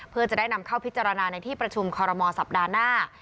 เพื่อจะได้นำเข้าพิจารณาในที่ประชุมคอรมอลสัปดาห์หน้า